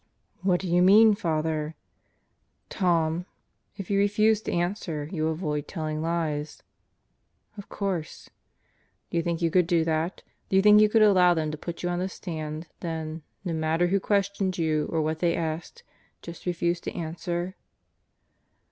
"What do you mean, Father?" "Tom, if you refuse to answer, you'll avoid telling lies." "Of course." "Do you think you could do that? Do you think you could allow them to put you on the stand, then, no matter who questioned you, or what they asked, just refuse to answer?"